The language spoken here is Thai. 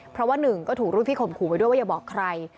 เพราะว่าหนึ่งก็ถูกรุ่นพี่ข่มขู่ไปด้วยว่าอย่าบอกใคร